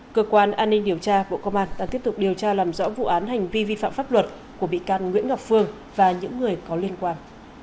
cơ quan an ninh điều tra bộ công an đang tiếp tục điều tra làm rõ vụ án hành vi vi phạm pháp luật của bị can nguyễn ngọc phương và những người có liên quan